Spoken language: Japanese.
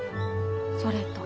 それと。